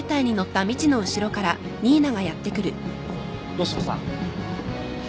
吉野さん。